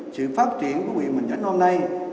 sự phát triển của huyện bình chánh hôm nay